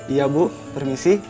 iya bu permisi